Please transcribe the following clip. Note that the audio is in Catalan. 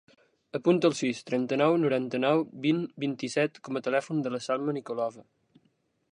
Apunta el sis, trenta-nou, noranta-nou, vint, vint-i-set com a telèfon de la Salma Nikolova.